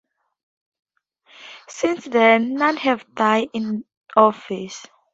Since then none have died in office.